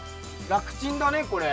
楽ちんだねこれ。